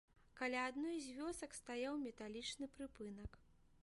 Каля адной з вёсак стаяў металічны прыпынак.